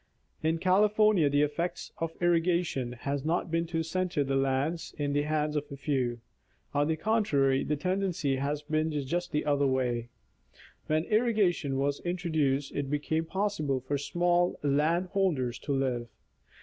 In California, the effect of irrigation has not been to center the land in the hands of a few. On the contrary, the tendency has been just the other way. When irrigation was introduced it became possible for small land holders to live.